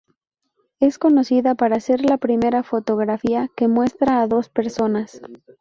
Es conocida para ser la primera fotografía que muestra a dos personas.